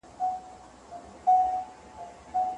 خاتم الانبياء عليه السلام ته ډاډ ورکړ سو.